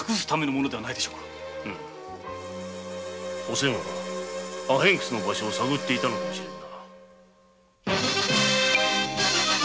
お仙はアヘン窟の場所を探していたのかもしれぬ。